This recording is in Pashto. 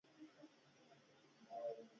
دریابونه د افغانانو لپاره په معنوي لحاظ ارزښت لري.